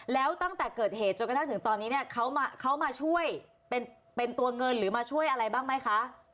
แล้วตั้งแต่เกิดเหตุจนกระทั่งถึงตอนนี้เนี่ยเขามาช่วยเป็นตัวเงินหรือมาช่วยอะไรบ้างไหมคะ